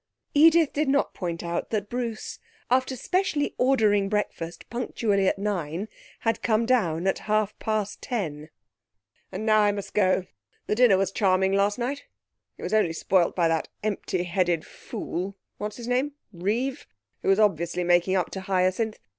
Edith did not point out that Bruce, after specially ordering breakfast punctually at nine, had come down at half past ten. 'And now I must go.... The dinner was charming last night. It was only spoilt by that empty headed fool what's his name Reeve, who was obviously making up to Hyacinth.